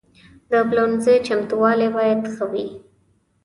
د پلورنځي چمتووالی باید ښه وي.